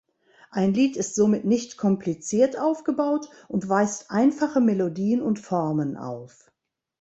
Ein Lied ist somit nicht kompliziert aufgebaut und weist einfache Melodien und Formen auf.